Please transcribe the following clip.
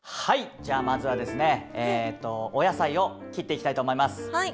はいじゃあまずはですねお野菜を切っていきたいと思います。